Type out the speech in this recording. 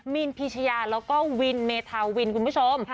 มีนพีชยาแล้วก็วินเมธาวินคุณผู้ชม